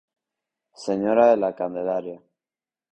Señora de la Candelaria.